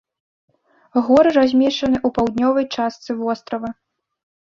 Горы размешчаны ў паўднёвай частцы вострава.